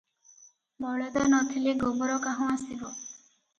ବଳଦ ନ ଥିଲେ ଗୋବର କାହୁଁ ଆସିବ?